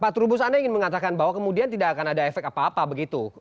pak trubus anda ingin mengatakan bahwa kemudian tidak akan ada efek apa apa begitu